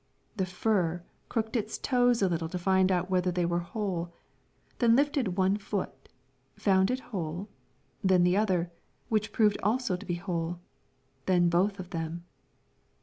The fir crooked its toes a little to find out whether they were whole, then lifted one foot, found it whole, then the other, which proved also to be whole, then both of them.